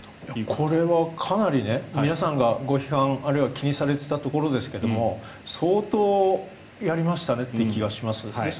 これはかなり皆さんがご批判あるいは気にされていたところですが相当、やりましたねという気がします。